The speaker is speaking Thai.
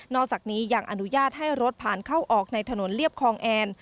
อกจากนี้ยังอนุญาตให้รถผ่านเข้าออกในถนนเรียบคลองแอน